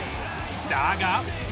だが。